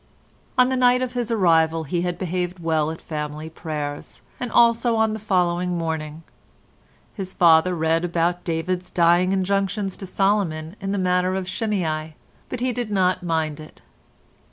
On the night of his arrival he had behaved well at family prayers, as also on the following morning; his father read about David's dying injunctions to Solomon in the matter of Shimei, but he did not mind it.